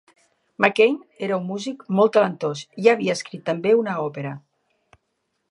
McMein, que era un músic molt talentós, ja havia escrit també una òpera.